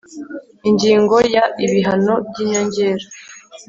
Ingingo ya Ibihano by inyongera